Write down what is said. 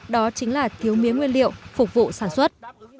đó chính là thiếu mía nguyên liệu phục vụ sản xuất